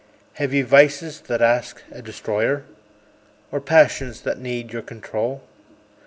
Have ye vices that ask a destroyer? Or passions that need your control?